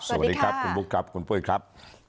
สวัสดีครับคุณบุ๊คครับคุณปุ้ยครับ